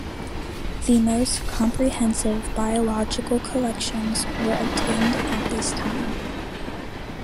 The most comprehensive biological collections were obtained at this time.